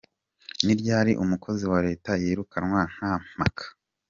Ni ryari umukozi wa leta yirukanwa “nta mpaka”?.